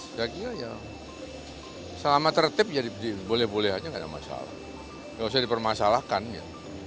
sejauh ini selama tertib boleh boleh saja tidak ada masalah tidak usah dipermasalahkannya